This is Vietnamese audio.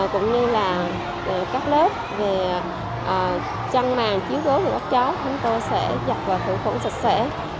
cũng như là các lớp về chăn màng chiếu gối của các cháu chúng tôi sẽ dọc vào khuẩn khuẩn sạch sẽ